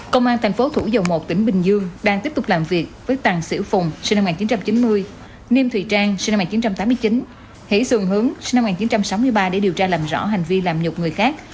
công an thành phố thủ dầu một tỉnh bình dương đang tiếp tục làm việc với tàng sĩ phùng sinh năm một nghìn chín trăm chín mươi niêm thùy trang sinh năm một nghìn chín trăm tám mươi chín hỷ xuồng hướng sinh năm một nghìn chín trăm sáu mươi ba để điều tra làm rõ hành vi làm nhục người khác